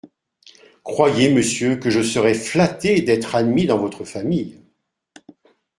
Croyez, monsieur, que je serais flatté D’être admis dans votre famille…